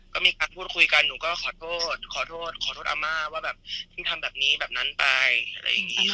ก็มีการพูดคุยกันหนูก็ขอโทษขอโทษอาม่าว่าแบบยิ่งทำแบบนี้แบบนั้นไปอะไรอย่างนี้ค่ะ